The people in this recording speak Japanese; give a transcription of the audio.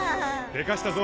でかしたぞ！